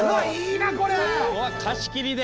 貸し切りで。